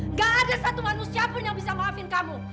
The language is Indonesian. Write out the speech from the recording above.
nggak ada satu manusia pun yang bisa maafin kamu